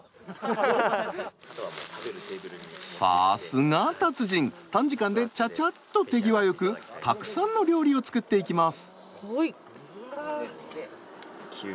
さすが達人短時間でちゃちゃっと手際よくたくさんの料理を作っていきます。